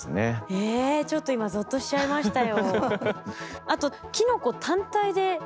えっちょっと今ぞっとしちゃいましたよ。